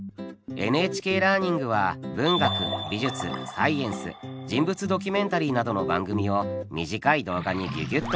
「ＮＨＫラーニング」は文学美術サイエンス人物ドキュメンタリーなどの番組を短い動画にギュギュッと凝縮。